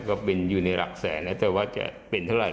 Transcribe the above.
ก็เป็นอยู่ในหลักแสนนะแต่ว่าจะเป็นเท่าไห